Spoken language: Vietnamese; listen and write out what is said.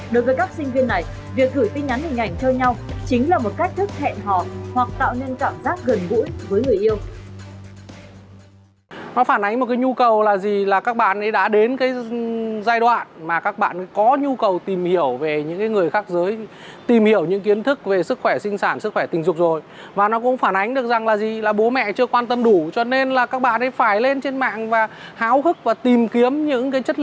đối với các sinh viên này việc gửi tin nhắn hình ảnh cho nhau chính là một cách thức hẹn họ hoặc tạo nên cảm giác gần gũi với người yêu